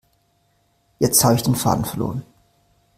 Jetzt habe ich den Faden verloren.